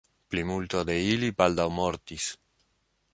Plimulto de ili baldaŭ mortis.